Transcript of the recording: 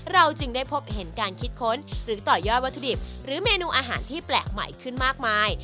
เราจึงได้พบเห็นการคิดค้นหรือต่อยอดวัตถุดิบหรือเมนูอาหารที่แปลกใหม่ขึ้นมากมาย